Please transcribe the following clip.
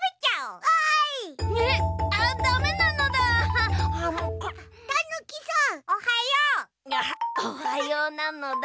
アハッおはようなのだ。